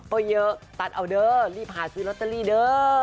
ก็เยอะตัดเอาเด้อรีบหาซื้อลอตเตอรี่เด้อ